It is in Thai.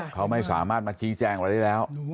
เขาไม่สามารถมาชี้แจงอะไรได้แล้ว